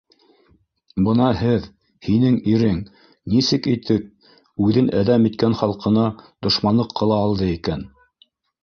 Бына һеҙ, һинең ирең... нисек итеп үҙен әҙәм иткән халҡына дошманлыҡ ҡыла алды икән?!